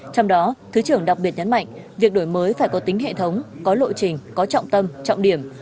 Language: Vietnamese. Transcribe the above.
trong đó thứ trưởng đặc biệt nhấn mạnh việc đổi mới phải có tính hệ thống có lộ trình có trọng tâm trọng điểm